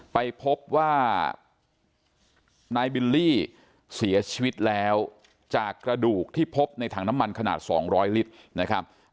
ไปพบว่านายบิลลี่เสียชีวิตแล้วจากกระดูกที่พบในถังน้ำมันขนาด๒๐๐ลิตรนะครับ